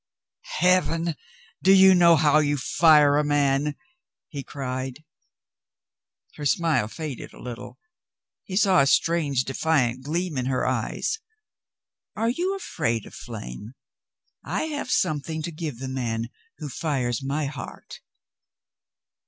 "Heaven ! Do you know how you fire a man ?" he cried. Her smile faded a little. He saw a strange de fiant gleam in her eyes. "Are you afraid of flame? I have something to give the man who fires my heart."